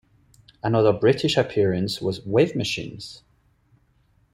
Another British appearance was Wave Machines.